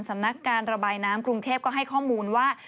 สำนักการระบายน้ำกรุงเทพก็ให้ข้อมูลว่า